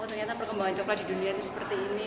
oh ternyata perkembangan coklat di dunia ini seperti ini